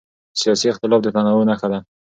سیاسي اختلاف د تنوع نښه ده